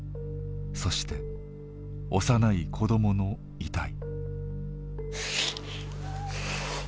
そして幼い子どもの遺体。